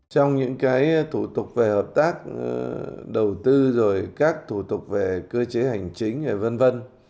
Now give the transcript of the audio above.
trong những cái thủ tục về hợp tác đầu tư rồi các thủ tục về cơ chế hành chính rồi v v